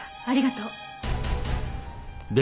ありがとう。